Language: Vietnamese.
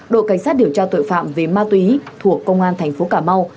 đội cảnh sát điều tra tội phạm về ma túy thuộc công an tp cà mau